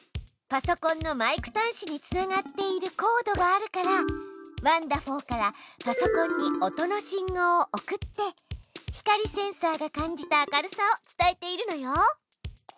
パソコンのマイク端子につながっているコードがあるからワンだふぉーからパソコンに音の信号を送って光センサーが感じた明るさを伝えているのよ。